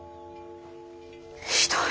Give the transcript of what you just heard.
ひどい！